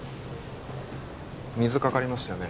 水かかりましたよね？